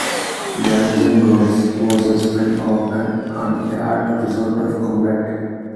"Garrison's Gorillas" was a spin-off from an unaired episode of "Combat!".